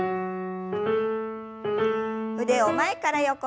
腕を前から横に。